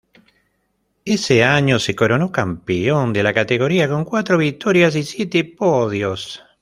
Ese año se coronó campeón de la categoría con cuatro victorias y siete podios.